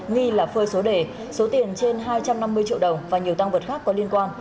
nghi là phơi số đề số tiền trên hai trăm năm mươi triệu đồng và nhiều tăng vật khác có liên quan